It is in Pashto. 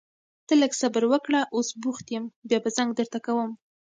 ته لږ صبر وکړه، اوس بوخت يم بيا زنګ درته کوم.